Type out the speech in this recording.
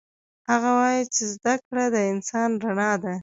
هغه وایي چې زده کړه د انسان رڼا ده